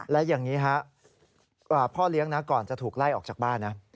และอย่างนี้ฮะพ่อเลี้ยงนะก่อนจะถูกไล่ออกจากบ้านนะ